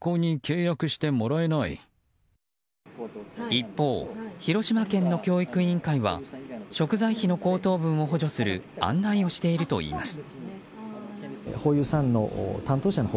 一方、広島県の教育委員会は食材費の高騰分を補助する案内をしているといいます。